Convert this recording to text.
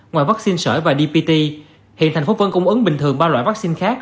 ngoài vaccine sở ý và dbt hiện tp hcm cũng ứng bình thường ba loại vaccine khác